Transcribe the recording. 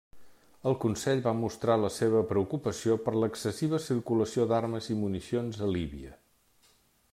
El Consell va mostrar la seva preocupació per l'excessiva circulació d'armes i municions a Líbia.